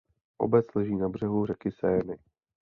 Obec leží na břehu řeky Seiny.